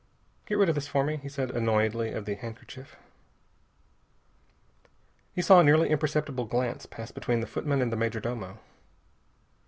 "Get rid of this for me," he said annoyedly of the handkerchief. He saw a nearly imperceptible glance pass between the footman and the major domo.